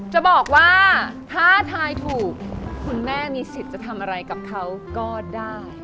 จะบอกว่าถ้าทายถูกคุณแม่มีสิทธิ์จะทำอะไรกับเขาก็ได้